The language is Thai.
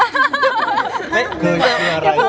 คืออย่าเพิ่งอะไร